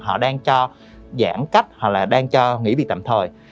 họ đang cho giãn cách hoặc là đang cho nghỉ việc tạm thời